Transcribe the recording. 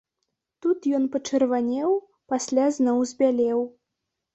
Тут ён пачырванеў, пасля зноў збялеў.